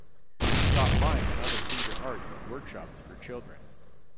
She taught mime and other theatre arts at workshops for children.